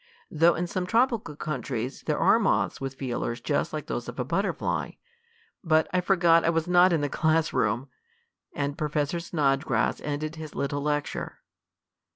Though in some tropical countries there are moths with feelers just like those of a butterfly. But I forgot I was not in the class room," and Professor Snodgrass ended his little lecture.